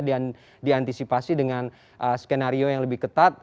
dan diantisipasi dengan skenario yang lebih ketat